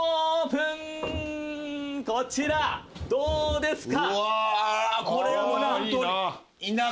こちらどうですか？